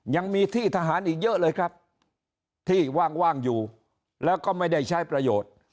ยังมีที่ทหารอีกเยอะเลยครับที่ว่างอยู่แล้วก็ไม่ได้ใช้ประโยชน์